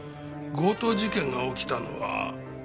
強盗事件が起きたのは？